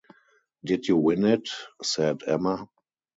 “Did you win it?" said Emma